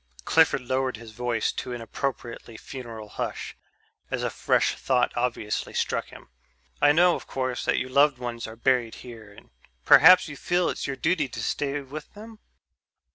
Clifford lowered his voice to an appropriately funeral hush, as a fresh thought obviously struck him. "I know, of course, that your loved ones are buried here and perhaps you feel it's your duty to stay with them...?"